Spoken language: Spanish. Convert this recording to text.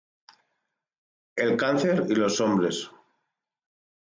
El cáncer y los hombres